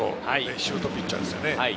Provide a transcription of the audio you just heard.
シュートピッチャーでした。